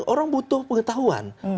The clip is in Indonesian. orang butuh pengetahuan